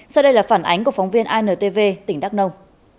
sau đây là phản ánh của phóng viên intv tỉnh đắk nông